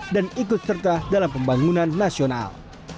dan ikut serta dalam pembangunan nasional